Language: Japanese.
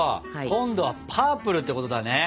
今度はパープルってことだね。